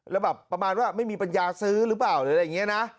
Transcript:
แล้วแบบประมาณว่าไม่มีปัญญาซื้อหรือเปล่าหรืออะไรอย่างนี้นะ